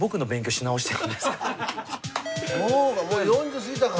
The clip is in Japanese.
もう４０過ぎたか。